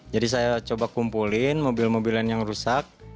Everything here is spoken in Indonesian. jadi saya coba kumpulin mobil mobilan yang rusak